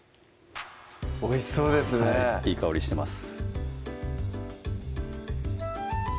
おいしそうですねいい香りしてます